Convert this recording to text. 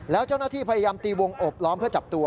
แล้วเจ้าหน้าที่พยายามตีวงอบล้อมเพื่อจับตัว